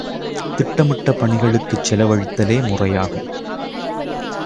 திட்டமிட்டப் பணிகளுக்குச் செலவழித்தலே முறையாகும்.